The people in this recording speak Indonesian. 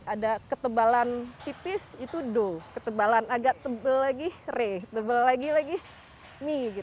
ada ketebalan tipis itu do ketebalan agak tebal lagi re tebal lagi lagi mi